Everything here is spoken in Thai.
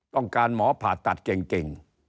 ต้องการหมอผ่าตัดเก่ง